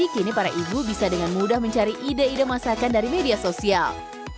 kini para ibu bisa dengan mudah mencari ide ide masakan dari media sosial